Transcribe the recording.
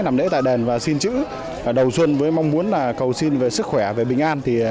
nằm lễ tại đền và xin chữ đầu xuân với mong muốn là cầu xin về sức khỏe về bình an